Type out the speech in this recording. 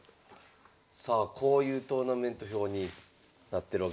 さあこういうトーナメント表になってるわけですね。